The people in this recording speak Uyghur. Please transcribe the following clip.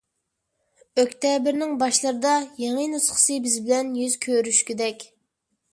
ئۆكتەبىرنىڭ باشلىرىدا يېڭى نۇسخىسى بىز بىلەن يۈز كۆرۈشكۈدەك!